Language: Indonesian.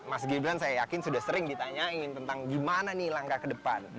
mas gibran saya yakin sudah sering ditanyain tentang gimana nih langkah ke depan